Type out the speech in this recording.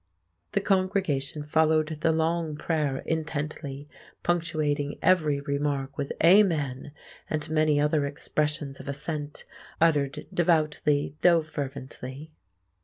The congregation followed the long prayer intently, punctuating every remark with "Amen," and many other expressions of assent, uttered devoutly though fervently.